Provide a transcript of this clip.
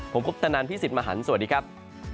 ผมคุปตนันพี่สิทธิ์มหันฯสวัสดีครับ